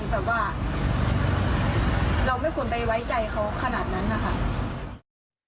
แบบว่าเราไม่ควรไปไว้ใจเขาขนาดนั้นนะคะ